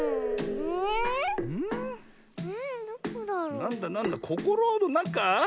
なんだなんだ「ココロのなか」？